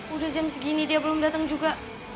udah jam segini dia belum datang juga